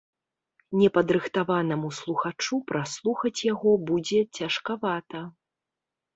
Непадрыхтаванаму слухачу праслухаць яго будзе цяжкавата.